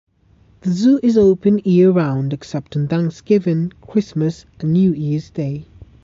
The zoo is open year-round except on Thanksgiving, Christmas, and New Year's Day.